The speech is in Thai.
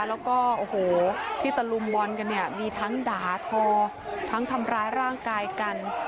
แล้วก็โอ้โหที่ตะลุมบอลกันเนี่ยมีทั้งด่าทอทั้งทำร้ายร่างกายกัน